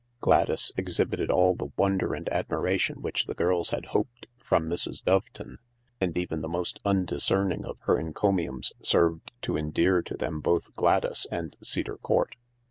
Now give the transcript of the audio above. Gladys exhibited all the wonder and admiration which the girls had hoped from Mrs. Doveton, and even the most undiscerning of her encomiums served to endear to them both Gladys and Cedar Court.